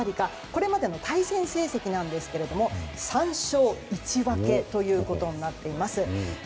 これまでの対戦成績なんですが３勝１分けとなっています。